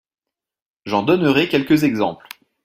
J’en donnerai quelques exemples.